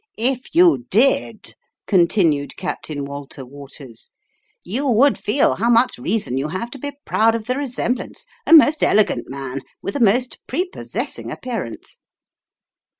" If you did," continued Captain Walter Waters, " you would feel how much reason you have to be proud of the resemblance a most elegant man, with a most prepossessing appearance."